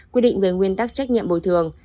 quy định về nguyên tắc trách nhiệm bồi thường